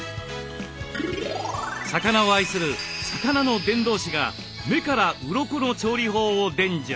魚を愛する「魚の伝道師」が目からウロコの調理法を伝授。